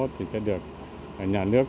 thì sẽ được nhà nước